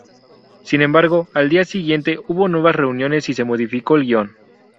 Sin embargo, al día siguiente hubo nuevas reuniones y se modificó el guion.